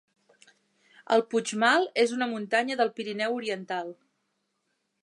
El Puigmal es una muntanya del Pirineu oriental.